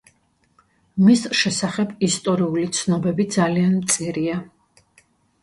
მის შესახებ ისტორიული ცნობები ძალიან მწირია.